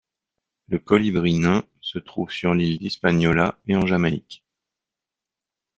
Le Colibri nain se trouve sur l’île d’Hispaniola et en Jamaïque.